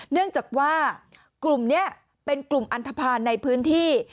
เนื่องจากว่ากลุ่มนี้เป็นกลุ่มอันทภาณในพื้นที่